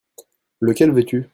Lequel veux-tu ?